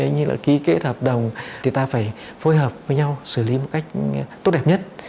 như là ký kết hợp đồng thì ta phải phối hợp với nhau xử lý một cách tốt đẹp nhất